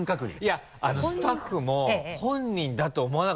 いやスタッフも本人だと思わなかった。